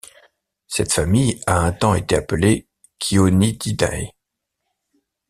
Cette famille a un temps été appelée Chionididae.